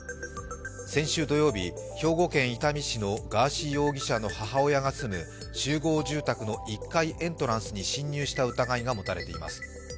先週土曜日、兵庫県伊丹市のガーシー容疑者の母親が住む集合住宅の１階エントランスに侵入した疑いが持たれています。